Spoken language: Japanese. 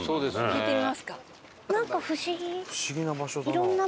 聞いてみますか。